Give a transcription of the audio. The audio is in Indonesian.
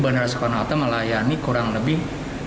bandara soekarno hatta melayani kurang lebih